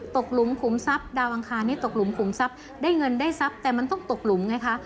หลุมขุมทรัพย์ดาวอังคารนี้ตกหลุมขุมทรัพย์ได้เงินได้ทรัพย์แต่มันต้องตกหลุมไงคะ